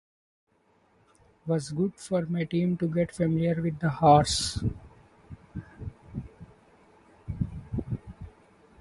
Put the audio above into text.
Was good for my team to get familiar with the horse.